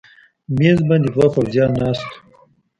مېز باندې دوه پوځیان ناست و.